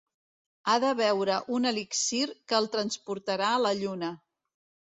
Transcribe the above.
Ha de beure un elixir que el transportarà a la Lluna.